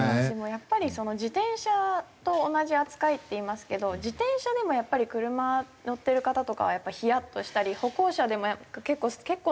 やっぱり自転車と同じ扱いっていいますけど自転車でもやっぱり車に乗ってる方とかはやっぱりヒヤッとしたり歩行者でも結構なスピードで。